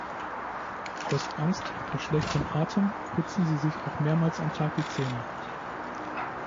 Aus Angst vor schlechtem Atem putzen sie sich auch mehrmals am Tag die Zähne.